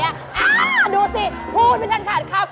อ้าวดูสิพูดเป็นช่างขาดครับ